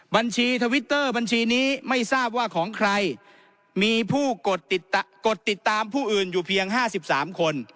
ทวิตเตอร์บัญชีนี้ไม่ทราบว่าของใครมีผู้กดติดตามผู้อื่นอยู่เพียง๕๓คน